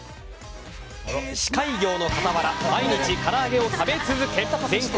司会業の傍ら毎日から揚げを食べ続け全国